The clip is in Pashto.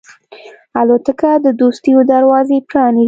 الوتکه د دوستیو دروازې پرانیزي.